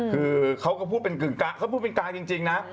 คือเขาก็พูดเป็นกลางจริงนะ